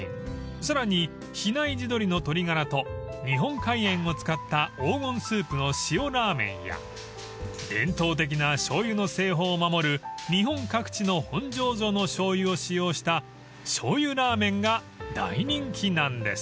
さらに比内地鶏の鶏ガラと日本海塩を使った黄金スープの塩らぁ麺や伝統的なしょうゆの製法を守る日本各地の本醸造のしょうゆを使用した醤油らぁ麺が大人気なんです］